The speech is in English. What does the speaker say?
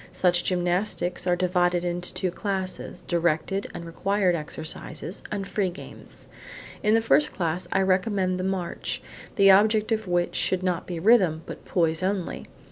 Such gymnastics are divided into two classes: directed and required exercises, and free games. In the first class, I recommend the march, the object of which should be not rhythm, but poise only.